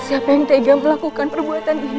siapa yang tega melakukan perbuatan ini